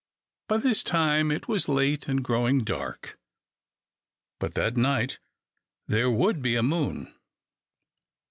By this time it was late and growing dark. But that night there would be a moon.